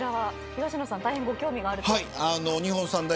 東野さん大変ご興味があるということで。